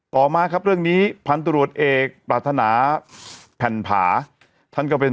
ต่อมาครับเรื่องนี้พันธุรกิจเอกปรารถนาแผ่นผาท่านก็เป็น